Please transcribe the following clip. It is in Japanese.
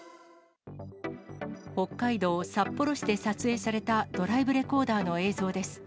北海道札幌市で撮影されたドライブレコーダーの映像です。